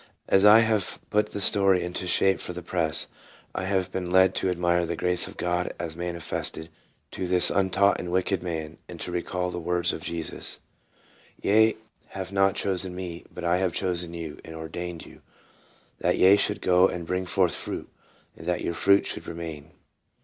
As I have put the story into shape for the press, I have been led to admire the grace of God as manifested to this untaught and wicked man, and to recall the words of Jesus, 6 PREFACE. " Ye have not chosen me, but I have chosen you, and ordained you, that ye should go and bring forth fruit, and that your fruit should remain."